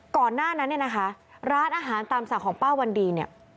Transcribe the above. ก่อนหน้านั้นร้านอาหารตามสั่งของป้าวันดี